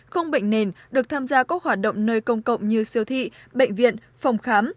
không bệnh nền được tham gia các hoạt động nơi công cộng như siêu thị bệnh viện phòng khám